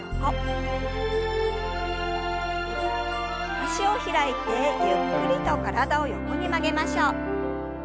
脚を開いてゆっくりと体を横に曲げましょう。